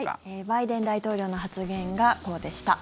バイデン大統領の発言がこうでした。